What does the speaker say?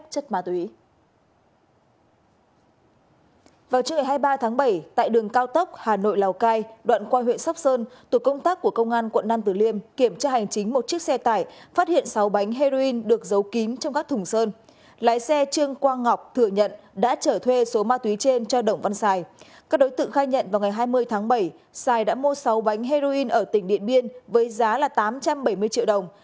các đối tượng khai nhận vào ngày hai mươi tháng bảy sài đã mua sáu bánh heroin ở tỉnh điện biên với giá là tám trăm bảy mươi triệu đồng